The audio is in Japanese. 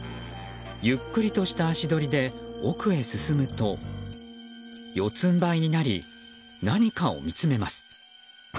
ゆっくりとした足取りで奥へ進むと四つん這いになり何かを見つめます。